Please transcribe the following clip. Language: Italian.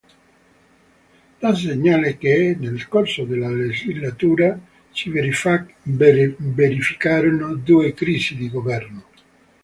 Da segnalare che, nel corso della legislatura, si verificarono due crisi di governo.